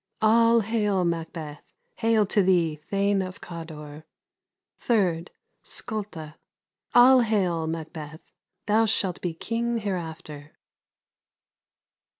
] All hail, Macbeth! hail to thee, Thane of Cawdor! 3rd. Skulda. All hail, Macbeth! thou shalt be king hereafter.